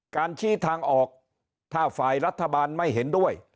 การชี้ทางออกถ้าฝ่ายรัฐบาลไม่เห็นด้วย